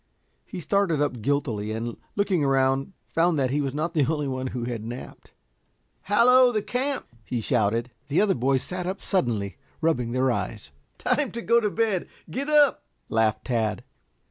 He started up guiltily, and looking around found that he was not the only one who had napped. "Hallo, the camp!" he shouted. The other boys sat up suddenly, rubbing their eyes. "Time to go to bed. Get up!" laughed Tad.